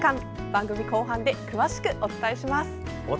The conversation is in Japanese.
番組後半で詳しくお伝えします。